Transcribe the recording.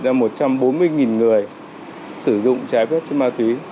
đã phát hiện ra một trăm bốn mươi người sử dụng trái phép chất ma túy